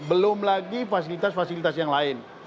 belum lagi fasilitas fasilitas yang lain